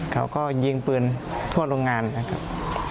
เขาก็ยิงปืนทั่วโรงงานนะครับ